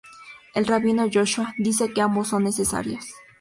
El rabino Joshua dice que ambos son necesarios.